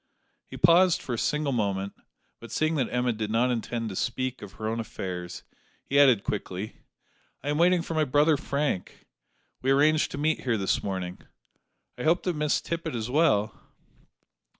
He paused for a single moment; but, seeing that Emma did not intend to speak of her own affairs, he added quickly: "I am waiting for my brother Frank. We arranged to meet here this morning. I hope that Miss Tippet is well?"